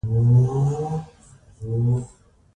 ازادي راډیو د سیاست په اړه د مخکښو شخصیتونو خبرې خپرې کړي.